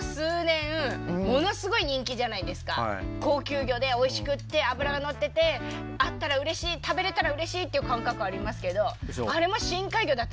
だって高級魚でおいしくって脂が乗っててあったらうれしい食べれたらうれしいっていう感覚ありますけど深海魚。